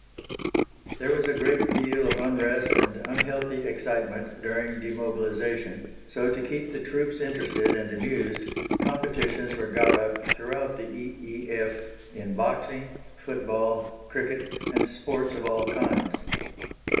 There was a great deal of unrest and unhealthy excitement during demobilization, so to keep the troops interested and amused, competitions were got up throughout the E.E.F. in Boxing, Football, Cricket, and sports of all kinds.